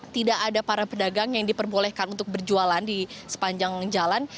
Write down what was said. tidak ada para pedagang yang diperbolehkan untuk berjualan di sepanjang jalan